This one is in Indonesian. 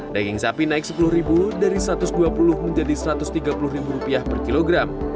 daging sapi naik rp sepuluh dari rp satu ratus dua puluh menjadi rp satu ratus tiga puluh per kilogram